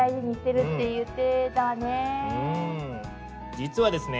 実はですね